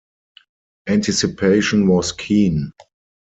Anticipation was keen.